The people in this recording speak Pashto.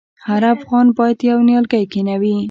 هر افغان باید یو نیالګی کینوي؟